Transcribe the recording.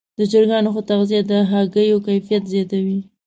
د چرګانو ښه تغذیه د هګیو کیفیت زیاتوي.